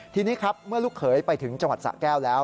ทีนี้ครับเมื่อลูกเขยไปถึงจังหวัดสะแก้วแล้ว